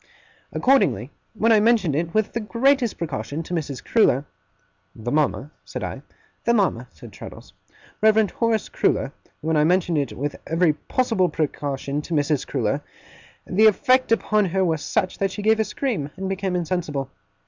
Accordingly, when I mentioned it, with the greatest precaution, to Mrs. Crewler ' 'The mama?' said I. 'The mama,' said Traddles 'Reverend Horace Crewler when I mentioned it with every possible precaution to Mrs. Crewler, the effect upon her was such that she gave a scream and became insensible.